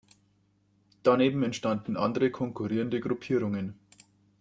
Daneben entstanden andere konkurrierende Gruppierungen.